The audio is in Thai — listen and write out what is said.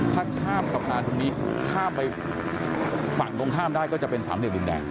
ถ้าข้ามสะพานตรงนี้ข้ามไปฝั่งตรงข้ามได้ก็จะเป็นสามเหลี่ยดินแดง